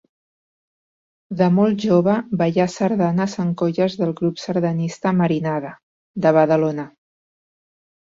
De molt jove ballà sardanes en colles del Grup Sardanista Marinada, de Badalona.